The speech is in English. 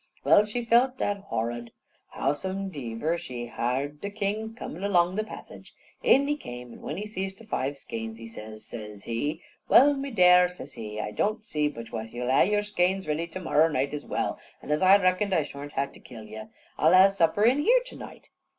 Well, she felt that horrud. Howsomediver, she hard the king a comin' along the passage. In he came, an' when he see the five skeins, he says, says he: "Well, me dare," says he, "I don't see but what yew'll ha' your skeins ready to morrer night as well, an' as I reckon I shorn't ha' to kill you, I'll ha' supper in here to night."